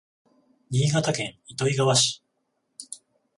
新潟県糸魚川市